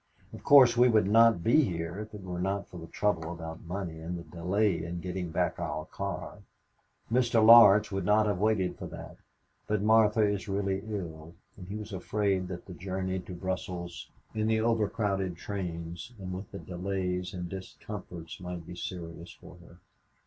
Of course we would not be here if it were not for the trouble about money and the delay in getting back our car. Mr. Laurence would not have waited for that, but Martha is really ill and he was afraid that the journey to Brussels in the over crowded trains and with the delays and discomforts might be serious for her.